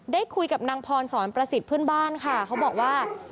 ได้คุยกับนางพรสอนประสิทธิ์เพื่อนบ้านค่ะเขาบอกว่า